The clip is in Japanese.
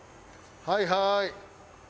はいはーい。